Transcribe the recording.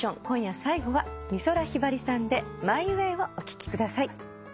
今夜最後は美空ひばりさんで『ＭｙＷａｙ』をお聴きください。